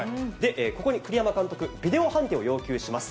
ここに栗山監督、ビデオ判定を要求します。